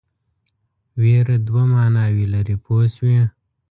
وېره دوه معناوې لري پوه شوې!.